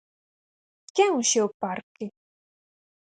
Que é un xeoparque?